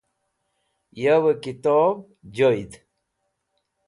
Yavey Kitob Joyd